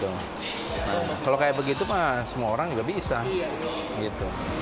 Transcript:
bima pembawa smk menandakan bahwa ini bukan komponen nasional yang mayoritas